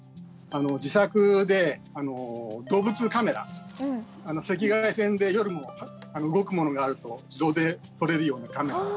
自作で動物カメラ赤外線で夜も動くものがあると自動で撮れるようなカメラを。